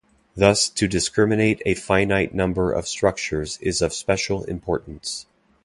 Thus to discriminate a finite number of structures is of special importance.